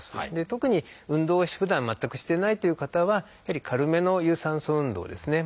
特に運動をふだん全くしてないという方はやはり軽めの有酸素運動ですね。